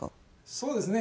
そうですね。